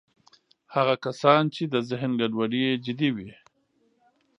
هغه کسان چې د ذهن ګډوډۍ یې جدي وي